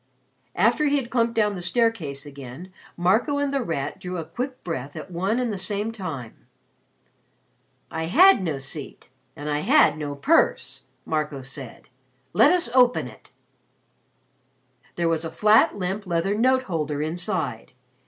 After he had clumped down the staircase again, Marco and The Rat drew a quick breath at one and the same time. "I had no seat and I had no purse," Marco said. "Let us open it." There was a flat limp leather note holder inside.